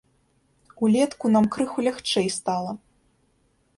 Улетку нам крыху лягчэй стала.